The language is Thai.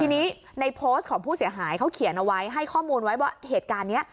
ทีนี้ในโพสต์ของผู้เสียหายเขาเขียนเอาไว้ให้ข้อมูลไว้ว่าเหตุการณ์นี้